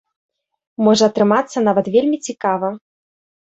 Можа атрымацца нават вельмі цікава.